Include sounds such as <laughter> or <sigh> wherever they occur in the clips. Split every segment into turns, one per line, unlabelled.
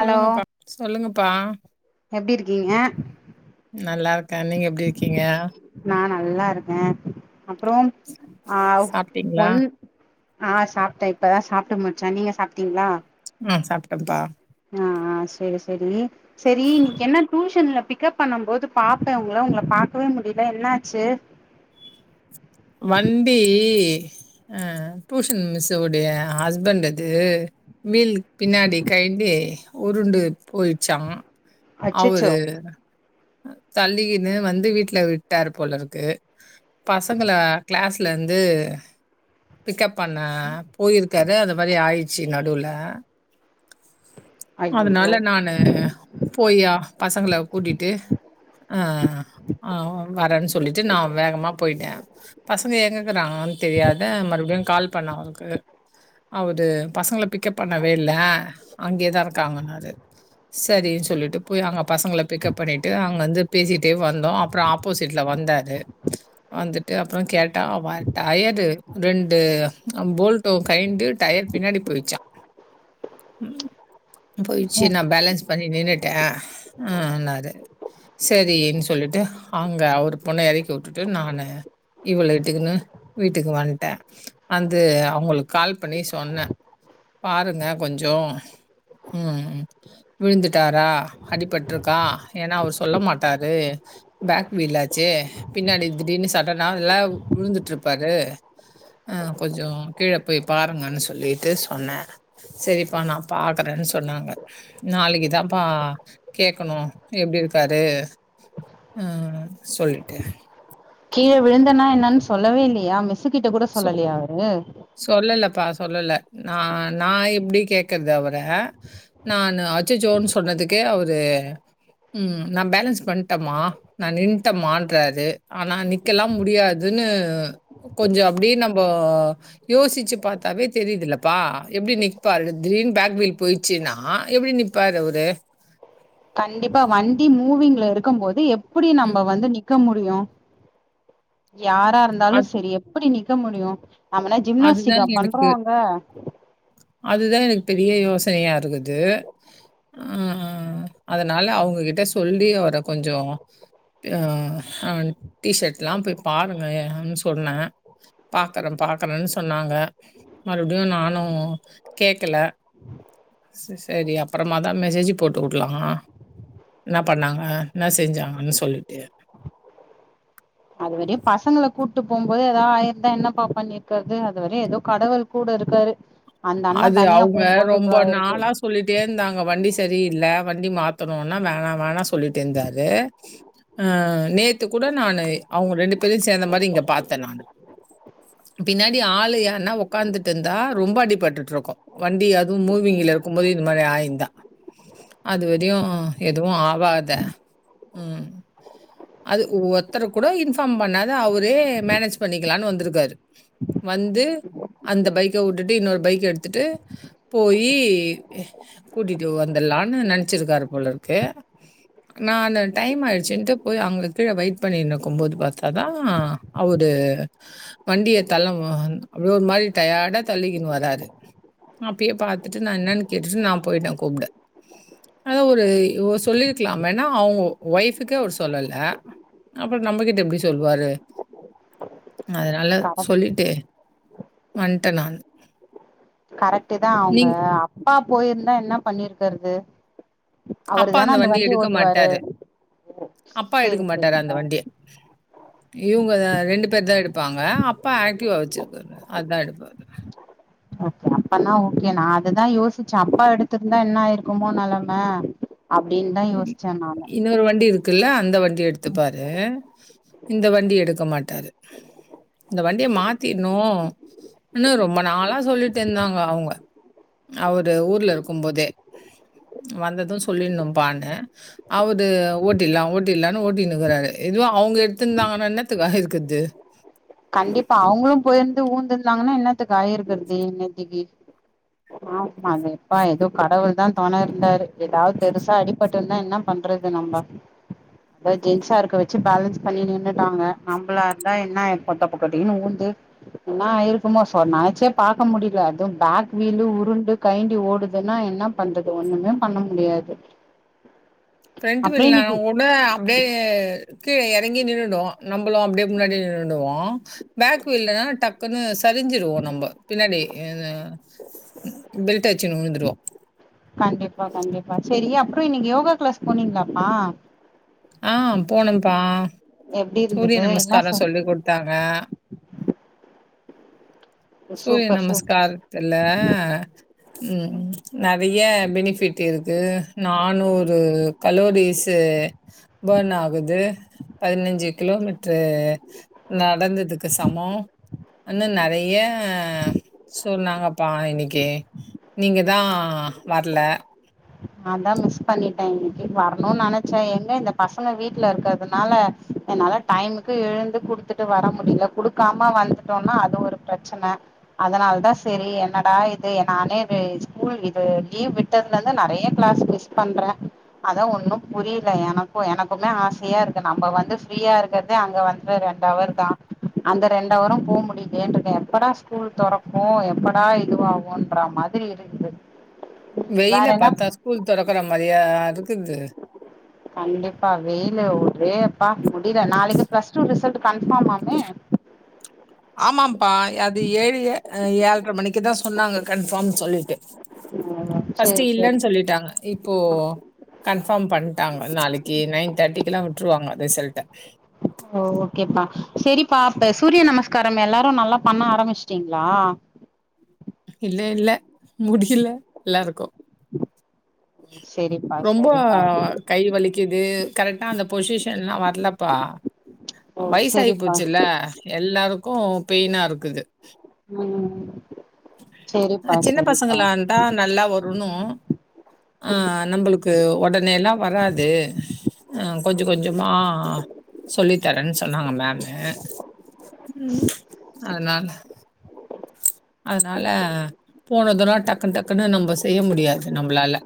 Hello
சொல்லுங்கப்பா
எப்டி இருக்கீங்க
நல்லா இருக்க நீங்க எப்டி இருக்கீங்க
நா நல்லா இருக்கே அப்பறோம் ஆ
சாப்ட்டீங்களா?
ஒன் ஆ சாப்ட்டே இப்பதா சாப்ட்டு முடிச்சே நீங்க சாப்ட்டீங்களா
ம் சாப்ட்டப்பா
அ அ செரி செரி செரி இன்னைக்கு என்ன டியூஷன்ல பிக்கப் பண்ணும் போது பாப்பே உங்கள உங்கள பாக்கவே முடியல என்னாச்சு
வண்டி அ டூஷன் மிஸ்ஸோடைய ஹஸ்பண்ட்டுது வீல் பின்னாடி கழண்டி உருண்டு போயிட்ச்சா
அச்சச்சோ
அவரு தள்ளிகினு வந்து வீட்ல விட்டாரு போலருக்கு பசங்கள கிளாஸ்லந்து பிக்கப் பண்ண போயிருக்காரு அத மாரி ஆயி ருச்சி நடுல
ஐயையோ
அதனால நானு போய்அ பசங்கள கூட்டிட்டு ஆ அ வரேன் சொல்லிட்டு நா வேகமா போயிட்டே பசங்க எங்கக்கிறாங்கனு தெரியாத மறுபடியு கால் பண்ண அவருக்கு அவரு பசங்கள பிக்கப் பண்ணவே இல்ல அங்கேயேதா இருக்காங்கன்னாரு சரின்னு சொல்லிட்டு போய் அங்க பசங்கள பிக்கப் பண்ணிட்டு அங்கந்து பேசிகிட்டே வந்தோ அப்பறோ அப் ஆப்போசிட்ல வந்தாரு வந்துட்டு அப்பறோ கேட்ட அவ டயரு ரு ரெண்டு போல்ட்டு கயிண்டு டயர் பின்னாடி போயிச்சா போயிச்சு நா பேலன்ஸ் பண்ணி நின்னுட்டேன் உன்னாரு சரின் சொல்லிட்டு அங்க அவரு பொண்ண எறக்கி வுட்டுட்டு நானு இவள இட்டுக்கின்னு வீட்டுக்கு வன்ட்டே அந்து அவுங்களுக்கு கால் பண்ணி சொன்னே பாருங்க கொஞ்சோ ம் விழுந்துட்டுரா அடிபட்டுருக்கா ஏன்னா அவ்ரு சொல்ல மாட்டாரு பேக் வீலாச்சே பின்னாடி திடீர்னு சடன்னா ல விழுந்துட்டு இருப்பாரு ஆ கொஞ்சோ கீழ போய் பாருங்கன்னு சொல்லிட்டு சொன்னே செரிப்பா நா பாக்குறேன்னு சொன்னாங்க நாளைக்குதான்ப்பா கேகணு எப்டி இருக்காரு ம் ம் சொல்ட்டு
கீழ விழுந்தனா என்னன்னு சொல்லவே இல்லையா மிஸ்ஸு கிட்ட கூட
சொ
சொல்லலையா அவ்ரு
சொல்லலப்பா சொல்லல நா நா எப்டி கேக்குறது அவ்ர நானு அச்சச்சோன்னு சொன்னதுக்கு அவ்ரு ம் நா பேலன்ஸ் பண்ட்டமா நா நின்ட்டமான்றாரு ஆனா நிக்கலா முடியாதுனு கொஞ்சோ அப் டி நம்போ யோசிச்சு பாத்தாவே தெரியுதலப்பா எப்டி நிப்பாருனு திடீர்னு பேக் வீல் போய்ச்சுன்னா எப்டி நிப் பாரு அவ்ரு
கண்டிப்பா வண்டி மூவிங்ல இருக்க போது எப்டி
ம்.
நம்ம வந்து நிக் க முடியு யாரா இருந்தாலு
அது
செரி எப்டி நிக்க முடியு நம்ம என்னா
அதுதான்
ஜிம்னாஸ்டிகா பண்றோ அங்க
அதுதா எனக்கு பெரிய யோசனையா இருக்குது ம் அதனால அவுங்ககிட்ட சொல்லி அவ்ர கொஞ்சோ அ அவ டீஷர்ட்லா போய் பாருங்க ஆயானு சொன்னே பாக்குற பாக் குறனு சொன்னாங்க மறுபடியு நானு கேக்கல செ செரி அப்புறமா தா மெசேஜ் போட்டு வுட்லா இன்ன பண்ணாங்க இன்ன செஞ்சாங்கனு சொல்லிட்டு
அதுவரையு பசங்கள கூட்டு போபோது ஏதாது ஆயிருந்தா என்ன பா பண்ணி இருக்கறது அதுவர ஏதோ கடவள் கூட இருக்காரு அந்த அண்ண
அது
தனியா
அவங்க
போபோது
ரொம்ப
இதாயிருக்கு
நாளா சொல்லிட்டே இருந்தாங்க வண்டி சரியில்ல வண்டி மாத்தணுனா வேணா வேணா சொல்லிட்டே இருந்தாரு ஆ நேத்து கூட நானு அவுங்க ரெண்டு பேரையு சேந்த மாரி இங்க பாத்தே நானு பின்னாடி ஆளு யார்னா உக்காந்துட்டு இருந்தா ரொம்ப அடிப்பட் டுருக்கு வண்டி அதுவு மூவிங்ல இருக்கு போது இந்த மாரி ஆயிந்தா அது வரையு எதுவு ஆவாத ம் அது ஒருத்தர் கூட இன்ஃபார்ம் பண்ணாம அவ்ரே மேனேஜ் பண்ணிக்கலான்னு வந்திருக்காரு வந்து அந்த பைக்க வுட்டுட்டு இன்னொரு பைக் எடுத்துட்டு போயி கூட்டிட்டு வந்துட்லான்னு நெனைச்சிருக்காரு போல இருக்கு நானு டைம் ஆயிடுச்சுன்ட்டு போய் அங்க கீழ வெயிட் பண்ணினு ருக்கு போது பாத்தா தா அவ்ரு வண்டிய தள்ளமோ ஒரு மாரி டயர்டா தள்ளிக்கினு வராரு அப்பயே பாத்துட்டு நா என்னன்னு கேட்டு நா போயிட்டே கூப்ட ஆனா ஒரு இவோ சொல்லிருக்கலா மெயினா அவ்ங்க ஒய்ஃபுக்கே அவ்ரு சொல்லல அப்றோ நம்மகிட்ட எப்டி சொல்வாரு அதனால
கரெக்ட்
சொல்லிட்டு வன்டே நானு
கரெக்ட் தா அவுங்க
நீங்
அப்பா போய்ருந்தா என்ன பண்ணிருக்குறது
அப்பா அந்த வண்டி எடுக்க மாட்டாரு அப்பா
சேரி
எடுக்க மாட்டாரு அந்த
சேரிப்பா
வண்டிய இவுங்க ரெண்டு பேர் தா எடுப்பாங்க அப்பா ஆக்டிவா வச்சுருக்காரு அதா எடுப்பாரு
ஓகே அப்பனா ஓகே நா அதுதா யோசிச்சே அப்பா எடுத்துருந்தா என்னாயிருக்குமோ நெலம அப்டின்தா யோசிச்சே நானு
இன்னொரு வண்டி இருக்குல்ல அந்த வண்டிய எடுத்துப்பாரு இந்த வண்டி எடுக்க மாட்டாரு இந்த வண்டிய மாத்திர்ணு னு ரொம்ப நாளா சொல்லிட்டு இருந்தாங்க அவங்க அவரு ஊர்ல இருக்கும் போதே வந்தது சொல்லினும்பானு அவது ஓட்டிடுலா ஓட்டிடுலான் ஓட்டினுக்கிறாரு இதுவே அவங்க எடுத்துருந்தாங்கன்னா என்னத்துக்கு ஆயிருக்கது
கண்டிப்பா அவங்களு போயிந்து வுளுந்திருந்தாங்கனா என்னத்துக்கு ஆயிருக்குறது இந்நேத்திக்கி
<inaudible>
ஆமா எப்பா எதோ கடவுள்தா தொண இருந்தாரு எதாவ் பெருசா அடிபட்டுருந்தா என்ன பண்றது நம்ம
<inaudible>
எதோ ஜென்ஸா இருக்க வச்சு பேலன்ஸ் பண்ணி நின்னுட்டாங்க நம்பளா இருந்தா என்னாய்ரு டொபக்கடினு ஊந்து என்ன ஆயிருக்குமோ சோ நெனச்சே பாக்க முடில அதுவு பேக் வீலு உருண்டு கயண்டி ஓடுதுன்னா என்ன பண்றது ஒன்னுமே பண்ண முடியாது
ஃபிரண்ட்
அப்புறம்
வீல்னா
இன்னைக்கு
ஓ னா அப்டியே கீழே எறங்கி நின்னுடு நம்பளு அப்டியே முன்னாடி நின்னுடுவோ பேக் வீல்லதா டக் குன்னு சரிஞ்சுருவோ நம்போ பின்னாடி அ பெல்ட் அடிச்சுன்னு உழுந்துருவோ
கண்டிப்பா கண்டிப்பா சரி அப்றோ இன்னைக்கு யோகா கிளாஸ் போனீங்களாப்பா
ஆ போனம்ப்பா
எப்டி
சூரிய
இருந்தது என்ன
நமஸ்கார
ச
சொல்லி குடுத்தாங்க சூரிய
சூப்பர் சூப்பர்
நமஸ்கார் கல்ல ம் நெறைய பெனிஃபிட் இருக்கு நானூறு கலோரிஸ் பர்ன் ஆகுது பதினஞ்சு கிலோமீட்ரு நடந்து துக்கு சமோ அன்னன் நெறைய சொன்னாங்கப்பா இன்னைக்கு நீங்கதா வர்ல
நாந்தா மிஸ் பண்ணிட்டே இன்னைக்கு வரணுனு நெனைச்சே எங்க இந்த பசங்க வீட்டுல இருக்குறதுனால என்னால டைமுக்கு எழுந்து குடுத்துட்டு வர முடியல குடுக்காம வந்துட்டோனா அது ஒரு பிரச்சன அதனாலதா சரி என்னடா இது நானே வெ ஸ்கூல் இது லீவ் விட்ட லந்து நெறைய கிளாஸ் மிஸ் பண்றே அதா ஒன்னு புரியல எனக்கு எனக்குமே ஆசையா இருக்கு நம்ப வந்து ஃப்ரீயா இருக்கறதே அங்க வந் து ரெண்டவர்தா அந்த ரெண்டவரும் போ முடியலேன்றுக்க எப்படா ஸ்கூல் தொறக்கு எப்படா இதுவாகுன்ற மா திரி இருக்து
வெயில பாத்தா ஸ்கூல் தொறக்குற மாரியா இருக்குது
கண்டிப்பா வெயிலு ஒரே அப்பா முடியல நாளைக்கு பிளஸ் டூ ரிசல்ட் கன்ஃபார்ம்மாமே
ஆமாப்பா அது ஏழு அ ஏழ்ர மணிக்குதா சொன்னாங்க கன்ஃபார்ம் சொல்லிட்டு
சேரி
ஃபஸ்ட்டு
சேரி
இல்லன் சொல்லிட்டாங்க இப்போ கன்ஃபார்ம் பண்ட்டாங்க நாளைக்கு நைன் தேர்ட்டிக்கெலா விட்ருவாங்க ரிசல்ட்ட
ஓ ஓகேப்பா சரிப்பா இப்ப சூரிய நமஸ்காரம் எல்லாரும் நல்லா பண்ண ஆரம்பிச்சுட்டீங்ளா
இல்ல இல்ல முடியல எல்லாருக்கு
சர்
ரொம்போ கை வலிக்குது கரெக்டா அந்த பொசிஷன் எல்லா வர்லப்பா
ஓ
வயசாயி
சரிப்பா
போச்சுல்ல எல்லாருக்கு பெயினா இருக்குது
ம் செரிப்பா செரிப்பா
தா நல்லா வரணு ஆ
ம்
நம்பளுக்கு உடனே எல்லா வராது கொஞ்ச கொஞ்சமா சொல்லி தரேன் சொன்னாங்க மேமு ம் அதனால அதனால போனதுனா டக்குன் டக்குன்னு நம்ம செய்ய முடியாது நம்பளால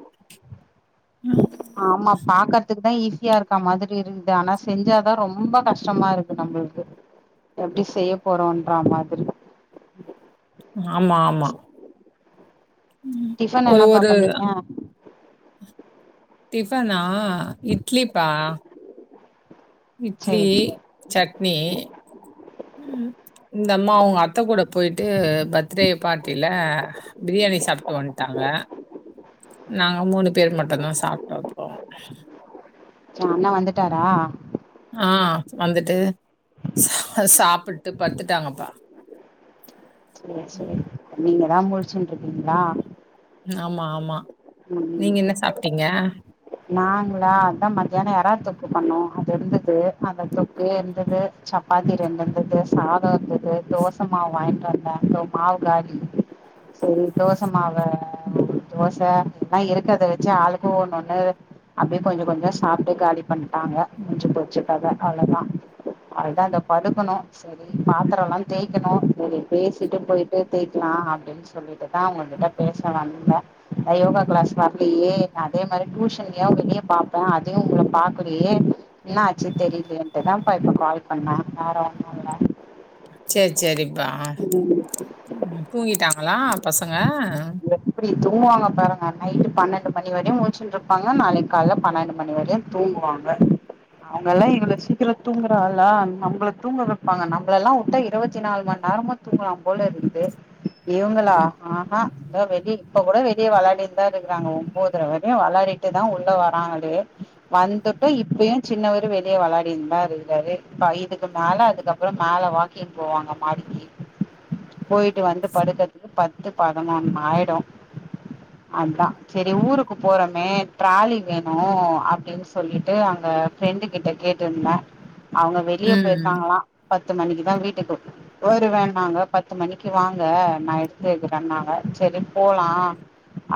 ஆமா பாக்கறதுக்கு தா ஈஸியா இருக்கா மாதிரி இருக்குது ஆனா செஞ்சாதா ரொம்ப கஷ்டமா இருக் கு நம்பள்க்கு எப்டி செய்ய போறோன்ற மாத்ரி
ஆமா ஆமா ம்.
டிஃபன்
ஒரு
என்னப்பா
ஒரு
பண்ணீங்க
டிஃபனா இட்லிப்பா இட்லி
சேரி
சட்னி ம் இந்தம்மா அவுங்க அத்த கூட போய்ட்டு பர்த்டே பார்ட்டில பிரியாணி சாப்ட்டு வந்ட்டாங்க நாங்க மூணு பேர் மட்டுந்தா சாப்ட்டோ அப்றோ
உ அண்ண வந்துட்டாறா
ஆ வந்துட்டு சா சாப்பிட்டு படுத்துட்டாங்கப்பா
சேரி சேரி நீங்க தா முழிச்சின்ருப்பீங்ளா
ஆமா ஆமா
ம்
நீங்க என்ன சாப்டீங்க
நாங்களா அதா மத்தியானோ எறா தொக்கு பண்ணோ அது இருந்துது அத தொக்கு இருந்துது சப் பாத்தி ரெண்டு இருந்துது சாதோ இருந்துது தோச மாவு வாய்ன்டு வந்தா இதோ மாவு காலி செரி தோச மாவ தோச எல்லா இருக்கறத வெச்சி ஆளுக்கு ஒன்னொன்னு அப்டியே கொஞ்ச கொஞ்சோ சாப்ட்டு காலி பண்ணிட்டாங்க மூஞ்சு போச்சு கத அவ்ளோதா அவ்ளதா இதோ படுக்கணு செரி பாத்திரல்லா தேய்க்கணு செரி பேசிட்டு போயிட்டு தேய்க்கலா அப்டின் சொல்லிட்டு தா உங்ககிட்டப் பேச வந்தே அதா யோகா கிளாஸ் வரலையே அதே மாத்ரி டியூஷன் ஏவ் இங்கியே பாப்போ அதயு உங்கள பாக்கலயே என்னா ஆச்சு தெரிய்லேன்ட்டு தான்ப்பா இப்ப கால் பண்ணே வேற ஒண்ணு இல்ல
சேர் சேரிப்பா
ம்
தூங்கிட்டாங்ளா பசங்க
எப்டி தூங்குவாங்க பாருங்க நைட்டு பன்னெண்டு மணி வரியு முழிச்சின்ட்ருப் பாங்க நாளைக் கால்ல பன்னெண்டு மணி வரையு தூங்குவாங்க அவுங்கல்லா இவ்ள சீக்கிரோ தூங்குறா ஆளா நம்பள தூங்க வெப்பாங்க நம்பளல்லா உட்டா இருவத்தி நாலு மண் நேரமு தூங்கலா போல இருக்குது இவங்களா ஆ ஆ இதோ வெளிய இப்ப கூட வெளிய வெளாடிட் தா இருக்கிறாங்கோ ஒம்போதர வரையு வெளாடிட் தா உள்ள வராங்களே வந்துட்டு இப்பயு சின்னவரு வெளிய வெளாடின் தா இருக்கிறாரு இப்ப இதுக்கு மேல அதுக்கப்பறோ மேல வா க்கிங் போவாங்க மாடிங்கி போயிட்டு வந்து படுக்கற்துக்கு பத்து பதனொன்னு ஆயிடு அதா செரி ஊருக்கு போறமே ட்ராாலி வேணு அப்டின் சொல்லீட்டு அங்க ஃப்ரெண்டு கிட்ட கேட்ருந்தே அவுங்க வெளிய
ம்.
போயிருக்காங்ளா பத்து மணிக்குதா வீட்டுக்கு வருவேனாங்க பத்து மணிக்கு வாங்க நா எடுத்து வெக்கிறன்னாங்க செரி போலா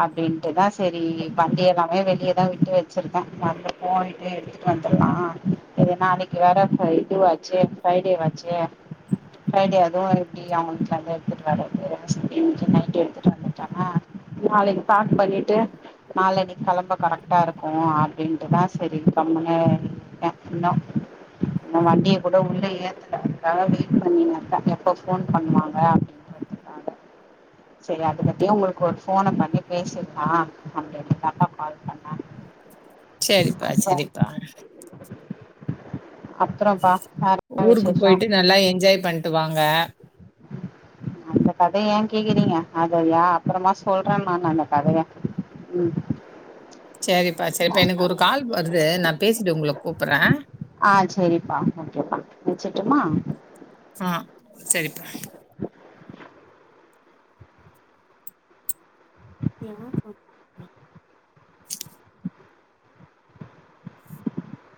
அப்டின்ட்டுதா செரி வண்டி எல்லாமே வெ ளிய தா விட்டு வெச்சிருக்கே வந்து போய்ட்டு எடுத்துட்டு வந்துற்லா இது நாளைக் கி வேற ஃப்ரை இது வாச்சே ஃப்ரை டே வாச்சே ஃப்ரை டே அதுவு எப் டி அவுங்க வீட்லருந்து எடுத்துட்டு வரது அப்டின் சொல்லி இன்னைக்கி நைட்டு எடுத்துட்டு வந்துட்டம்னா நாளைக்கு பேக் பண்ணிட்டு நாளனைக்கு கெளம்ப கரெக்டா இருக்கு அப்டின்ட்டுதா சரினு கம்முனு விட்ட இன்னு நா வண்டிய கூட உள்ள ஏத்தல அதுக்காக வெயிட் பண்ணிட்டு இருக்க எப்ப போன் பண்ணுவாங்க செரி அது பத்தியு உங்களுக்கு ஒரு போன பண்ணி பேசிர்லா அப்படின்னு தா கால் பண்ண
செரிப்பா செரிப்பா
அ
ஊருக்கு போயிட்டு நல்லா என்ஜாய் பண்ணிட்டு வாங்க
அந்த கதைய ஏ கேக்குறீங்க அதையா அப்புறமா சொல்றே நா அந்த கதைய உம்
செரிப்பா செரிப்பா எனக்கு ஒரு கால் வருது நா பேசிட்டு உங்களுக்கு கூப்பிடறே
ஆ செரிப்பா ஓக்கேப்பா வச்சிட்டுமா
ஆ செரிப்பா யார் போன்